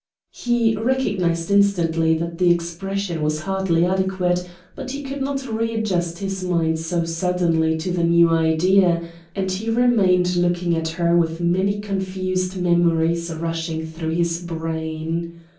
He recognized instantly that the expression was hardly adequate, but he could not readjust his mind so suddenly to the new idea, and he remained looking at her with many confused memories rushing through his brain.